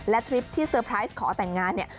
และทริปที่เซอร์ไพรส์ขอแต่งงานเนี่ย